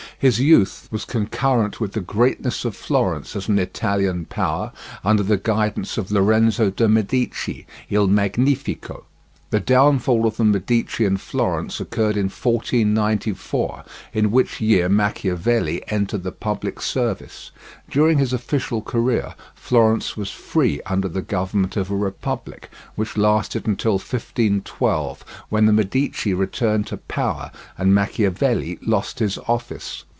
His youth was concurrent with the greatness of Florence as an Italian power under the guidance of Lorenzo de' Medici, Il Magnifico. The downfall of the Medici in Florence occurred in 1494, in which year Machiavelli entered the public service. During his official career Florence was free under the government of a Republic, which lasted until 1512, when the Medici returned to power, and Machiavelli lost his office.